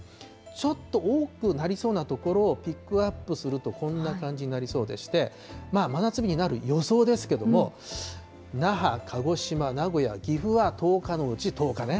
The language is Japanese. ちょっと多くなりそうな所をピックアップすると、こんな感じになりそうでして、真夏日になる予想ですけれども、那覇、鹿児島、名古屋、岐阜は１０日のうち１０日ね。